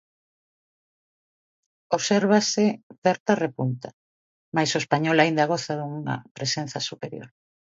"Obsérvase certa repunta, mais o español aínda goza dunha presenza superior".